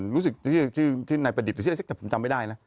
รู้สึกที่นายประดิษฐ์ไม่ได้นะ